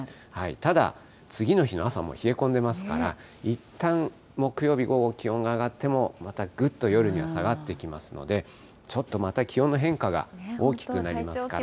ただ、次の日の朝もう冷え込んでますから、いったん木曜日午後、気温が上がっても、またぐっと夜には下がってきますので、ちょっとまた気温の変化が大きくなりますから。